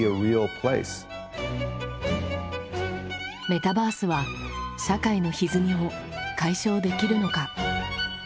メタバースは社会のひずみを解消できるのか？